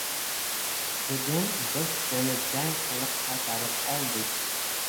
Bugun biz seni jang qilib qaytarib oldik